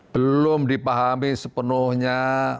belum dipahami sepenuhnya